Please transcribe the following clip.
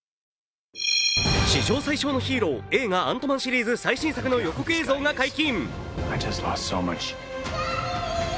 史上最小のヒーロー映画「アントマン」シリーズ予告映像が解禁。